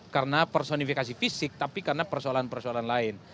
karena personifikasi fisik tapi karena persoalan persoalan lain